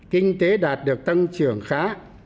kinh tế đạt được tăng trưởng khá sáu hai